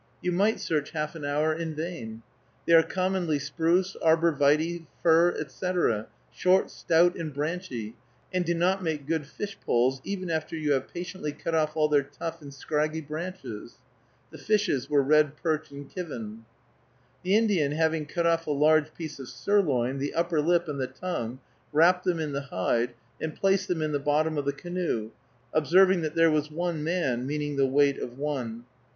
You might search half an hour in vain. They are commonly spruce, arbor vitæ, fir, etc., short, stout, and branchy, and do not make good fish poles, even after you have patiently cut off all their tough and scraggy branches. The fishes were red perch and chivin. The Indian, having cut off a large piece of sirloin, the upper lip, and the tongue, wrapped them in the hide, and placed them in the bottom of the canoe, observing that there was "one man," meaning the weight of one.